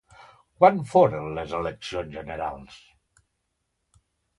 Quan foren les eleccions generals?